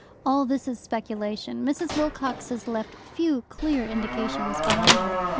All this is speculation: Mrs. Wilcox has left few clear indications behind her.